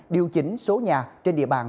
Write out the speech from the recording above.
điều chỉnh số nhà trên địa bàn